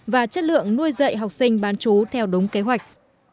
và chất lượng nuôi dạy học sinh bán chú theo đúng kế hoạch